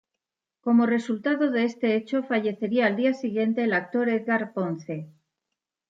Como resultado de este hecho fallecería al día siguiente el actor Edgar Ponce.